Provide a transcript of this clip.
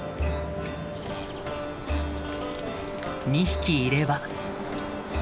２匹いれば。